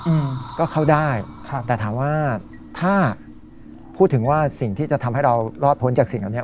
อืมก็เข้าได้ครับแต่ถามว่าถ้าพูดถึงว่าสิ่งที่จะทำให้เรารอดพ้นจากสิ่งเหล่านี้